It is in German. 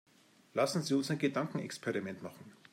Lassen Sie uns ein Gedankenexperiment machen.